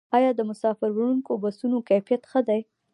آیا د مسافروړونکو بسونو کیفیت ښه دی؟